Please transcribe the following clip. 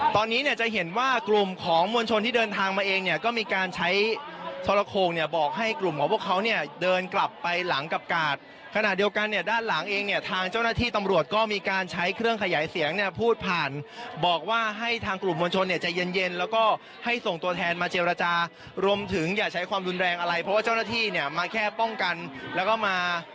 ตอนนี้เนี้ยจะเห็นว่ากลุ่มของมวลชนที่เดินทางมาเองเนี้ยก็มีการใช้ทรโครงเนี้ยบอกให้กลุ่มของพวกเขาเนี้ยเดินกลับไปหลังกับกาดขณะเดียวกันเนี้ยด้านหลังเองเนี้ยทางเจ้าหน้าที่ตำรวจก็มีการใช้เครื่องขยายเสียงเนี้ยพูดผ่านบอกว่าให้ทางกลุ่มมวลชนเนี้ยจะเย็นเย็นแล้วก็ให้ส่งตัวแทนมาเจียวรา